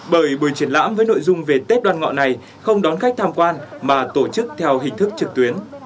bởi buổi triển lãm với nội dung về tết đoan ngọ này không đón khách tham quan mà tổ chức theo hình thức trực tuyến